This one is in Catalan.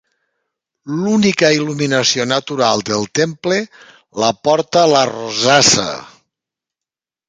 L'única il·luminació natural del temple l'aporta la rosassa.